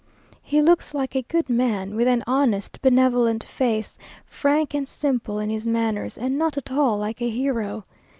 He looks like a good man, with an honest, benevolent face, frank and simple in his manners, and not at all like a hero.